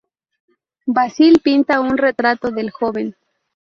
Basil pinta un retrato del joven.